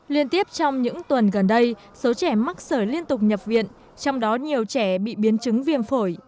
liên tiếp trong những tuần gần đây số trẻ mắc sởi liên tục nhập viện trong đó nhiều trẻ bị biến chứng viêm phổi